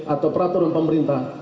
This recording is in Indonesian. atau peraturan pemerintah